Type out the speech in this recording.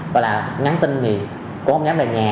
gọi là ngắn tin thì cố không dám về nhà